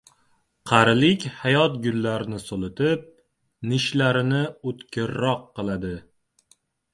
Qarilik hayot gullarini so‘litib, nishlarini o‘tkirroq qilad.